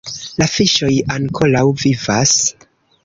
La fiŝoj ankoraŭ vivas